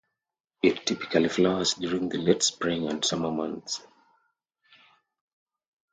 It typically flowers during the late spring and summer months.